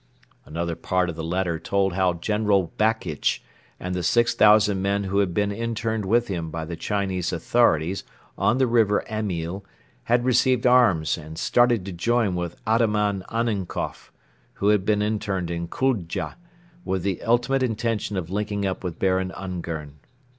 Another part of the letter told how General Bakitch and the six thousand men who had been interned with him by the Chinese authorities on the River Amyl had received arms and started to join with Ataman Annenkoff, who had been interned in Kuldja, with the ultimate intention of linking up with Baron Ungern.